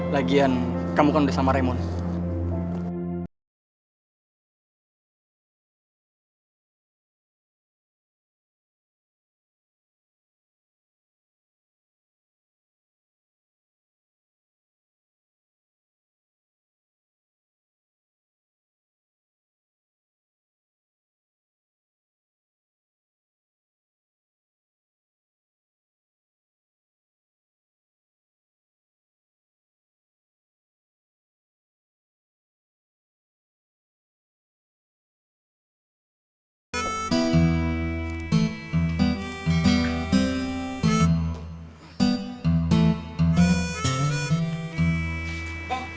lagian kamu kan udah sama raymond